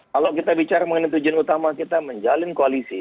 kalau kita bicara mengenai tujuan utama kita menjalin koalisi